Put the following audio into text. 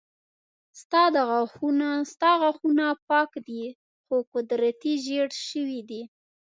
ستا غاښونه پاک دي خو قدرتي زيړ شوي دي